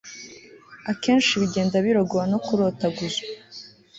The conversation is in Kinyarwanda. akenshi bigenda birogowa no kurotaguzwa